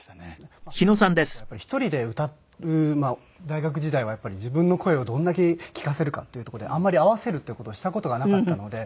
そもそもがやっぱり１人で歌う大学時代は自分の声をどれだけ聴かせるかっていうとこであんまり合わせるっていう事をした事がなかったので。